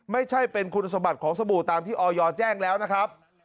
ไม่ใช่เป็นคุณสมบัติของสบู่ตามที่ออยแจ้งแล้วนะครับ